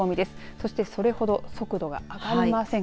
そして、それほど速度が上がりません。